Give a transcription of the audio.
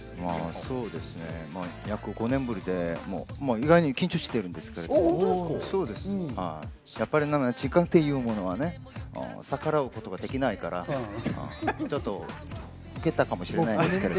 約５年ぶりで、意外に緊張しているんですけれども、やっぱり時間っていうものはね、逆らうことができないから、ちょっと老けたかもしれないですけれど。